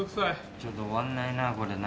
ちょっと終わんないなこれな。